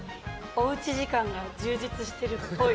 おうち時間が充実してるっぽい。